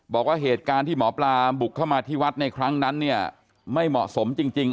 บอกว่าเหตุการณ์ที่หมอปลาบุกเข้ามาที่วัดในครั้งนั้นเนี่ยไม่เหมาะสมจริง